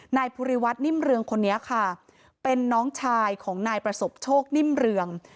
นายภูริวัฒนิ่มเรืองคนนี้ค่ะเป็นน้องชายของนายประสบโชคนิ่มเรือง